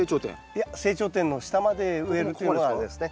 いや成長点の下まで植えるというのがあれですね。